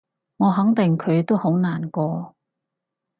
我肯定佢都好難過